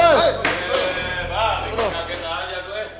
terima kasih banyak